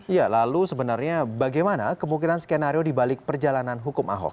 ya lalu sebenarnya bagaimana kemungkinan skenario dibalik perjalanan hukum ahok